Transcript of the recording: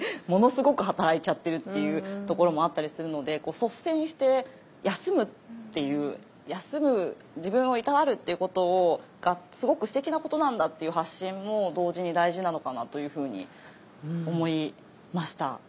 ものすごく働いちゃってるっていうところもあったりするので率先して休むっていう休む自分をいたわるっていうことがすごくすてきなことなんだっていう発信も同時に大事なのかなというふうに思いました。